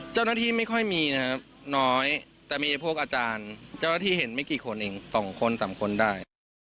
เจ้าหน้าที่ไม่ค่อยมีนะครับน้อยแต่มีพวกอาจารย์เจ้าหน้าที่เห็นไม่กี่คนเองสองคนสามคนได้